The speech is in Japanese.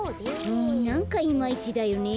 うんなんかいまいちだよねぇ。